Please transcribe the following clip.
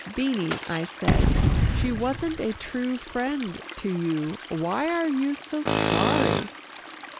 "Beanie," I said, "she wasn't a true friend to you; why are you so sorry?"